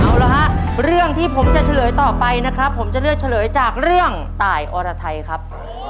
เอาละฮะเรื่องที่ผมจะเฉลยต่อไปนะครับผมจะเลือกเฉลยจากเรื่องตายอรไทยครับ